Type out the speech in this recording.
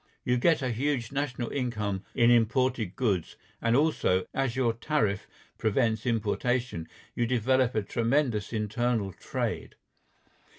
You get a huge national income in imported goods, and also, as your tariff prevents importation, you develop a tremendous internal trade.